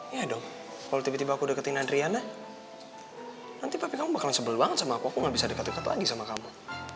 iya dong kalau tiba tiba aku deketin adriana nanti papa kamu bakalan sebel banget sama aku aku gak bisa dekat dekat lagi sama kamu